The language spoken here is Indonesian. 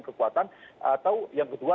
kekuatan atau yang kedua